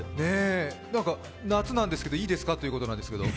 夏なんですけどいいですかってことなんですけど。